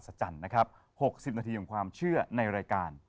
จันทร์นะครับ๖๐นาทีของความเชื่อในรายการ